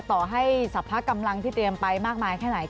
ต่อให้สรรพกำลังที่เตรียมไปมากมายแค่ไหน